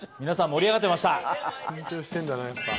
皆さん、盛り上がっていました。